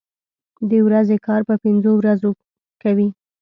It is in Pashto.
د ورځې کار په پنځو ورځو کوي.